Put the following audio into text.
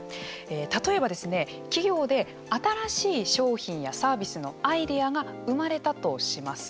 例えばですね、企業で新しい商品やサービスのアイデアが生まれたとします。